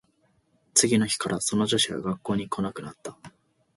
次の日からその女子は学校に来なくなった